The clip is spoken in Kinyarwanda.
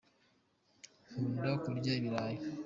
Nkunda kurya ibirayi.